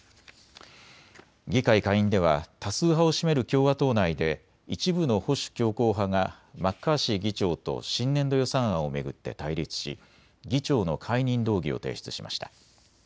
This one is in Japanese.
議会下院では多数派を占める共和党内で一部の保守強硬派がマッカーシー議長と新年度予算案を巡って対立し議長の解任動議を提出しました。